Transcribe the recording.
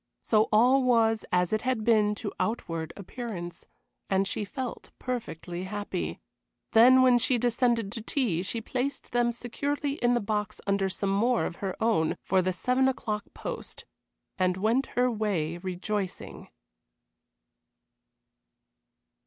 So all was as it had been to outward appearance, and she felt perfectly happy. Then when she descended to tea she placed them securely in the box under some more of her own for the seven o'clock post, and went her way rejoicing.